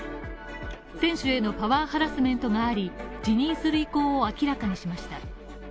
選手へのパワーハラスメントがあり辞任する意向を明らかにしました。